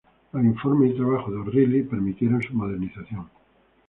Los informes y trabajos de O'Reilly permitieron su modernización.